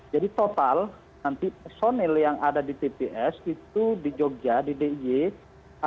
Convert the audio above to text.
jadi total nanti personil yang ada di pps itu di jogja di diy ada lima puluh empat sembilan ratus sembilan puluh